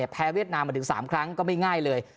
เวียดนามมาถึง๓ครั้งก็ไม่ง่ายเลย